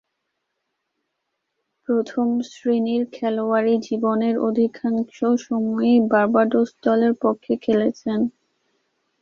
প্রথম-শ্রেণীর খেলোয়াড়ী জীবনের অধিকাংশ সময়ই বার্বাডোস দলের পক্ষে খেলেছেন।